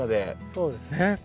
そうですね。